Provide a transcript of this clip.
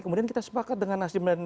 kemudian kita sepakat dengan